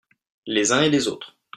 Les uns et les autres.